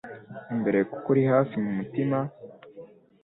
imbere kuko uri hafi mumutima